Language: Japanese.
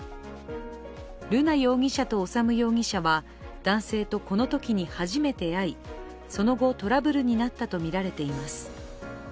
瑠奈容疑者と修容疑者は男性とこのときに初めて出会いその後、トラブルになったとみられています。